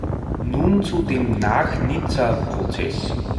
Nun zu dem Nach-Nizza-Prozess.